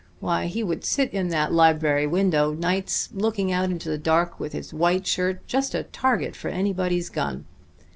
Why, he would sit in that library window, nights, looking out into the dark, with his white shirt just a target for anybody's gun.